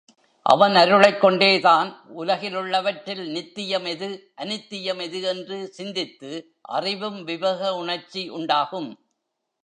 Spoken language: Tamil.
அவன் அருளைக் கொண்டேதான் உலகிலுள்ளவற்றில் நித்தியம் எது, அநித்தியம் எது என்று சிந்தித்து அறிவும் விவேக உணர்ச்சி உண்டாகும்.